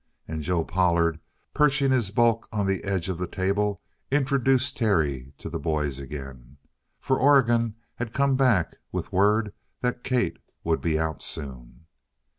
And Joe Pollard, perching his bulk on the edge of the table, introduced Terry to the boys again, for Oregon had come back with word that Kate would be out soon.